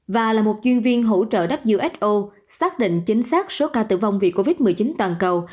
và là một chuyên viên hỗ trợ who xác định chính xác số ca tử vong vì covid một mươi chín toàn cầu